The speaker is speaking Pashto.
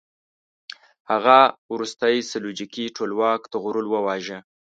هغه وروستی سلجوقي ټولواک طغرل وواژه.